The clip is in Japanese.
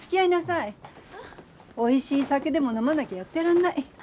おいしい酒でも飲まなきゃやってらんない。